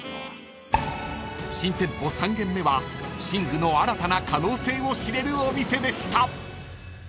［新店舗３軒目は寝具の新たな可能性を知れるお店でした］